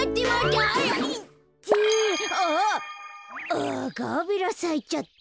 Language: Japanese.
あっガーベラさいちゃった。